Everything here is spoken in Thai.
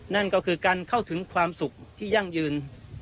นั่นก็คือการเข้าถึงความสุขที่ยั่งยืน